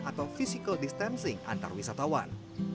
atau physical distancing antarwisatawan